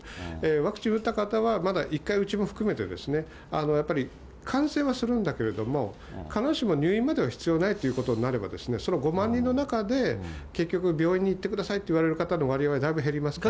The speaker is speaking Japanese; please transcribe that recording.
ワクチン打った方は、まだ１回打ちも含めてやっぱり、感染はするんだけども、必ずしも入院までは必要ないということになれば、それは５万人の中で、結局、病院に行ってくださいって言われる方の割合はだいぶ減りますから。